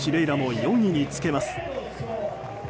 楽の４位につけます。